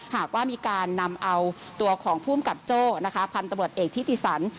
หากว่ามีการนำเอาตัวของภูมิกับโจ้นะคะพันธุ์ตำรวจเอกทิติสัน